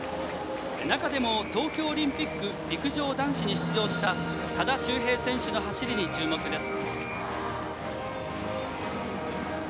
中でも東京オリンピック陸上男子に出場した多田修平選手の走りに注目です。